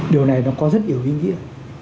điều này nó có rất nhiều ý nghĩa